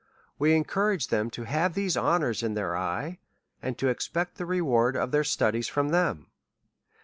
We encourage them to have these honours in their eye, and to expect the reward of their studies from them.